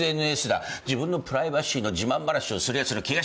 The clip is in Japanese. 自分のプライバシーの自慢話をするやつの気が知れない。